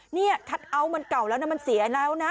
นี่คัทเอาท์มันเก่าแล้วนะมันเสียแล้วนะ